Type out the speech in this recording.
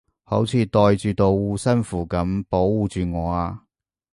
好似袋住道護身符噉保護住我啊